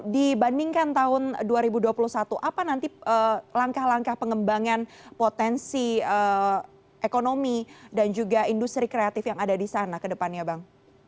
dibandingkan tahun dua ribu dua puluh satu apa nanti langkah langkah pengembangan potensi ekonomi dan juga industri kreatif yang ada di sana ke depannya bang